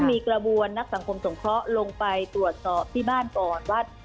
มีกระบวนนักสังคมสงเคราะห์ลงไปตรวจสอบที่บ้านก่อนว่า